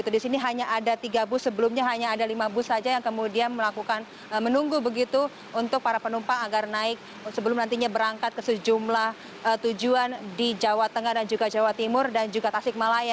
di sini hanya ada tiga bus sebelumnya hanya ada lima bus saja yang kemudian melakukan menunggu begitu untuk para penumpang agar naik sebelum nantinya berangkat ke sejumlah tujuan di jawa tengah dan juga jawa timur dan juga tasik malaya